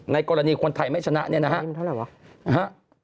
กรณีคนไทยไม่ชนะเนี่ยนะฮะ